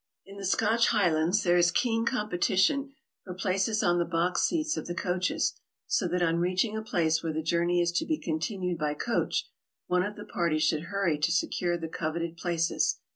In the Scotch Highlands there is keen competition for places on the box seats of the coaches, so that on reaching a place where the journey is to be continued by coach, one of the party should hurry to secure the coveted places.